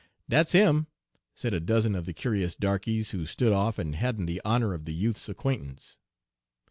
"'Dat's him!' said a dozen of the curious darkeys who stood off and hadn't the honor of the youth's acquaintance.